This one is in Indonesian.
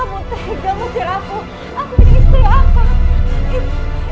aku jadi istri akang